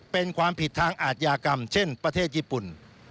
เป็นความผิดทางอาทยากรรมเช่นประเทศญี่ปุ่น